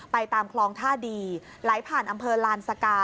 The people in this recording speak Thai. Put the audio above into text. ตามคลองท่าดีไหลผ่านอำเภอลานสกา